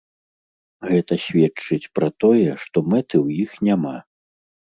Гэта сведчыць пра тое, што мэты ў іх няма.